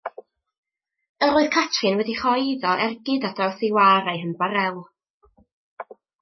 Yr oedd Catrin wedi rhoi iddo ergyd ar draws ei war â'i hymbarél.